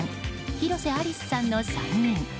広瀬アリスさんの３人。